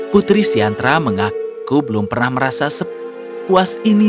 putri siantra mengaku belum pernah merasa sepuas ini